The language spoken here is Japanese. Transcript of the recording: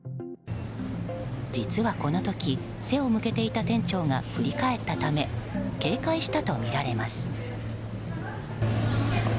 実はこの時、背を向けていた店長が振り返ったため警戒したとみられます。